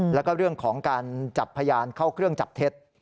แล้วก็เรื่องของการจับพยานเข้าเครื่องจับเท็จ